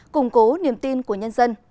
củng cố niềm tin của nhân dân